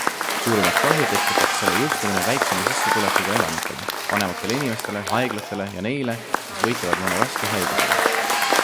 Suurimat kahju tekitaks selle jõustumine väiksema sissetulekuga elanikele, vanematele inimestele, haiglatele ja neile, kes võitlevad mõne raske haigusega.